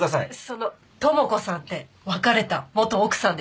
その智子さんって別れた元奥さんですか？